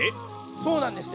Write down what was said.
そうなんですよ。